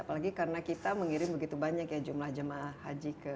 apalagi karena kita mengirim begitu banyak ya jumlah jemaah haji ke